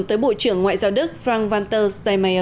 tới bộ trưởng ngoại giao đức frank walter steinmeier